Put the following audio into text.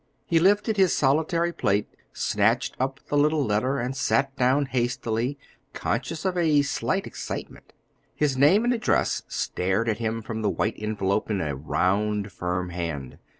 He lifted his solitary plate, snatched up the little letter, and sat down hastily, conscious of a slight excitement. His name and address stared at him from the white envelope in a round, firm hand.